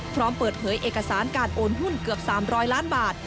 พร้อมเปิดเผยเอกสารการโอนหุ้นเกือบ๓๐๐ล้านบาท